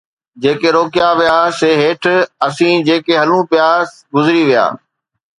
جيڪي روڪيا ويا سي هيٺ، اسين جيڪي هلون پيا گذري ويا